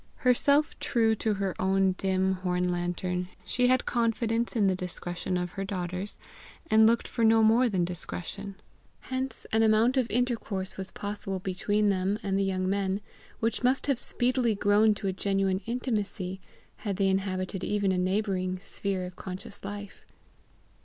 Herself true to her own dim horn lantern, she had confidence in the discretion of her daughters, and looked for no more than discretion. Hence an amount of intercourse was possible between them and the young men, which must have speedily grown to a genuine intimacy had they inhabited even a neighbouring sphere of conscious life.